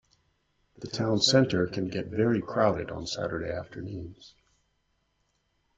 The town centre can get very crowded on Saturday afternoons